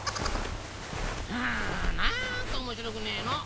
はあなんかおもしろくねえの。